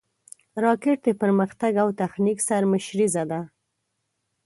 راکټ د پرمختګ او تخنیک سرمشریزه ده